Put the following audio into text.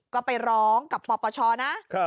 ก็ไปร้องกับปปชนะ